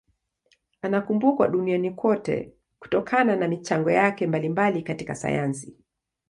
Anakumbukwa duniani kote kutokana na michango yake mbalimbali katika sayansi.